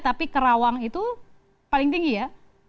tapi kerawang itu paling tinggi ya